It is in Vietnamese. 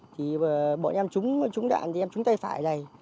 thì bọn em trúng đạn thì em trúng tay phải này